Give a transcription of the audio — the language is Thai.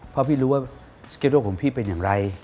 เพราะพี่รู้ว่าสเก็ตโลของพี่เป็นอย่างไร